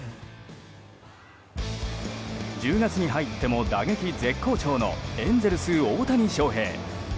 １０月に入っても打撃絶好調のエンゼルス、大谷翔平。